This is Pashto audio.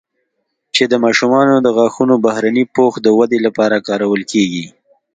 چې د ماشومانو د غاښونو بهرني پوښ د ودې لپاره کارول کېږي